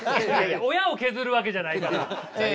親を削るわけじゃないから！